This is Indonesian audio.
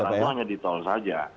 yang dilarangnya hanya di tol saja